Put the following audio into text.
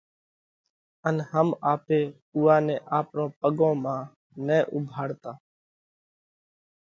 ان هم آپي اُوئا نئہ آپرون پڳون مانه نه اُوڀاڙتا